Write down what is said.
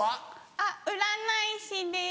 あっ占い師です。